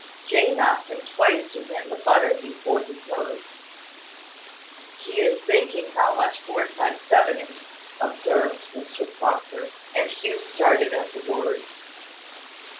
Jane asked him twice to hand the butter before he heard. "He is thinking how much four times seven is," observed Mr Proctor: and Hugh started at the words.